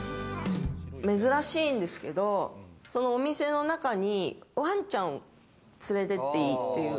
珍しいんですけれど、そのお店の中にワンちゃんを連れてっていいっていう。